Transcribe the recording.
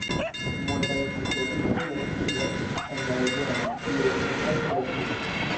Multaj historioj lokiĝas en la regiono, kie ŝi mem kreskis.